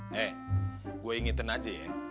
hei saya ingin tahu saja